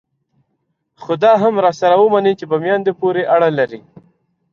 خو دا هم راسره ومنئ چې په میندو پورې اړه لري.